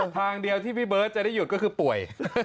ทางเดียวที่พี่เบิร์ตจะได้หยุดก็คือป่วย